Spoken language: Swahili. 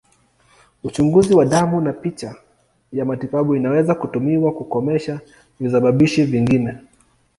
Uchunguzi wa damu na picha ya matibabu inaweza kutumiwa kukomesha visababishi vingine.